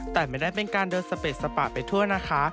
แต่ไม่ได้เป็นการเดินสเปดสปะไปทั่วนะคะ